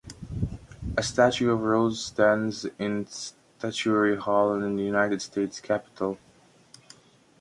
A statue of Rose stands in Statuary Hall in the United States Capitol.